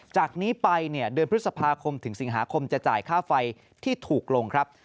จากนี้ไปเนี่ยเดือนพฤษภาคมถึงสิงหาคมจะจ่ายค่าไฟที่ถูกลงครับ